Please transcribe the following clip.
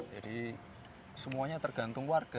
jadi semuanya tergantung warga